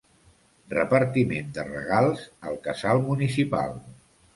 Repartiment de regals al casal municipal.